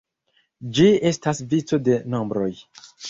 Ĝi estas vico de nombroj.